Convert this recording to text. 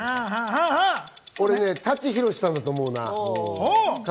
俺は舘ひろしさんだと思うな。